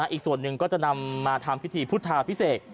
อีกส่วนหนึ่งก็จะนำมาทำพิธีพุทธาพิเศษ